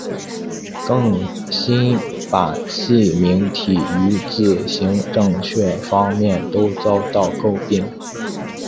更新版细明体于字形正确方面都遭到诟病。